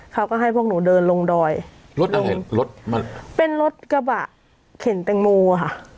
เขาก็ให้พวกหนูเดินลงดอยรถอะไรรถเป็นรถกระบะเข็นแตงมูอ่ะค่ะ